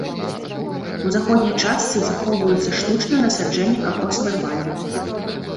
У заходняй частцы захоўваюцца штучныя насаджэнні какосавай пальмы.